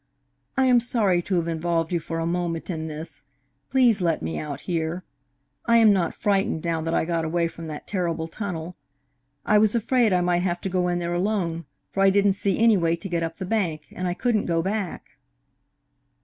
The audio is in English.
"I am sorry to have involved you for a moment in this. Please let me out here. I am not frightened, now that I got away from that terrible tunnel. I was afraid I might have to go in there alone, for I didn't see any way to get up the bank, and I couldn't go back."